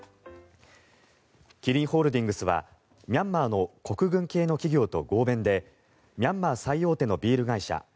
キリンホールディングスはミャンマーの国軍系の企業と合弁でミャンマー最大手のビール会社